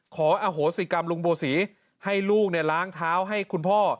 ขออโหสิกรรมลุงบัวศรีให้ลูกล้างเท้าให้คุณพ่อ